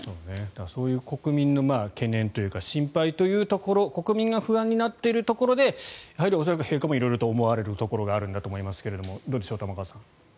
そういう国民の懸念というか心配というところ国民が不安になっているところで恐らく陛下も色々と思われるところがあるんだと思いますがどうでしょう、玉川さん。